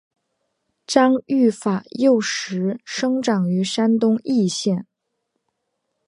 张玉法幼时生长于山东峄县。